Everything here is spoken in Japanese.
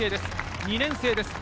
２年生です。